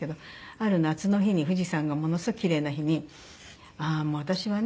ある夏の日に富士山がものすごくキレイな日にああもう私はね